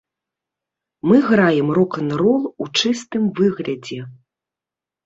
Мы граем рок-н-рол у чыстым выглядзе.